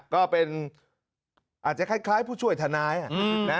ก็เป็นอาจจะคล้ายผู้ช่วยทนาย